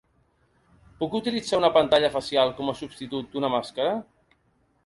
Puc utilitzar una pantalla facial com a substitut d’una màscara?